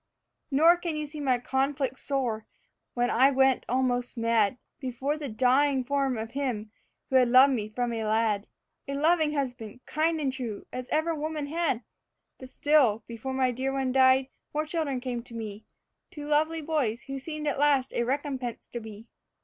Nor can you see my conflict sore, when I went almost mad Before the dying form of him who had loved me from a lad, A loving husband, kind and true, as ever woman had. But still, before my dear one died, more children came to me: Two lovely boys, who seemed at last a recompense to be.